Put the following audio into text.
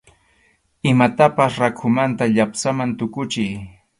Imatapas rakhumanta llapsaman tukuchiy.